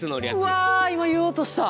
うわ今言おうとした。